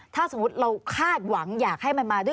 ถ้าสมมุติเราคาดหวังอยากให้มันมาด้วย